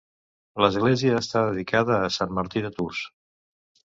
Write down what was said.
L'església està dedicada a Sant Martí de Tours.